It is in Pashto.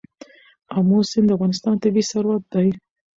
آمو سیند د افغانستان طبعي ثروت دی.